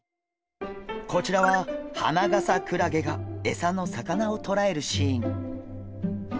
こちらはハナガサクラゲがエサの魚をとらえるシーン。